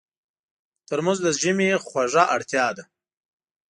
ترموز د ژمي خوږه اړتیا ده.